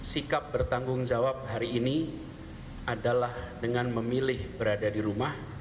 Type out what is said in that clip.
sikap bertanggung jawab hari ini adalah dengan memilih berada di rumah